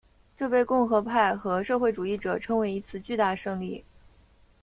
这被共和派和社会主义者称为一次巨大胜利。